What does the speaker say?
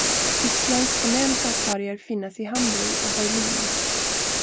Tysklands förnämsta akvarier finnas i Hamburg och Berlin.